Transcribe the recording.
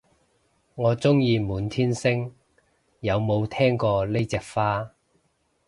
我鍾意滿天星，有冇聽過呢隻花